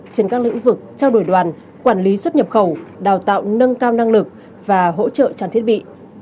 trên các lĩnh vực trao đổi đoàn quản lý xuất nhập khẩu đào tạo nâng cao năng lực và hỗ trợ trang thiết bị